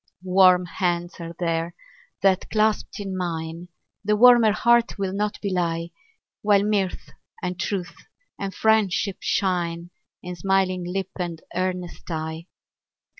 Warm hands are there, that, clasped in mine, The warmer heart will not belie; While mirth, and truth, and friendship shine In smiling lip and earnest eye.